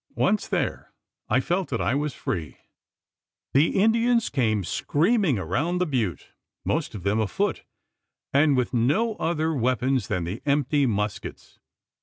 Once there, I felt that I was free! The Indians came screaming around the butte most of them afoot, and with no other weapons than the empty muskets.